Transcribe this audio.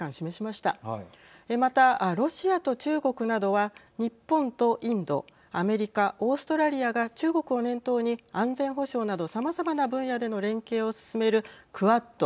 またロシアと中国などは日本とインドアメリカ、オーストラリアが中国を念頭に安全保障などさまざまな分野での連携を進めるクアッド